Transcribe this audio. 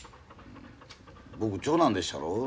僕長男でっしゃろ？